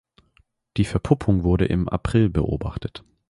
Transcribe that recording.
Die Verpuppung wurde im April beobachtet.